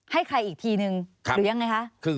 ให้ใครอีกทีนึงหรือยังไงคะ